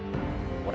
ほら。